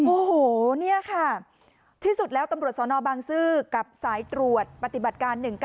โอ้โหนี่ค่ะที่สุดแล้วตำรวจสนบางซื่อกับสายตรวจปฏิบัติการ๑๙